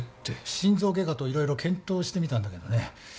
心臓外科と色々検討してみたんだけどね。